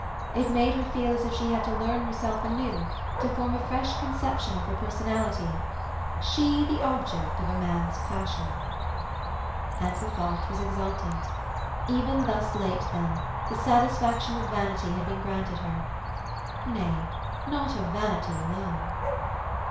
It made her feel as if she had to learn herself anew, to form a fresh conception of her personality. She the object of a man's passion! And the thought was exultant. Even thus late, then, the satisfaction of vanity had been granted her—nay, not of vanity alone.